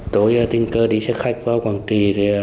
tối tình cơ đi xe khách vào quảng trị